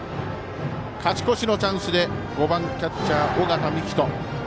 勝ち越しのチャンスで５番、キャッチャー、尾形樹人。